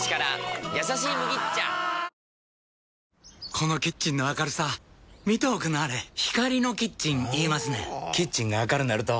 このキッチンの明るさ見ておくんなはれ光のキッチン言いますねんほぉキッチンが明るなると・・・